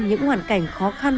những hoàn cảnh khó khăn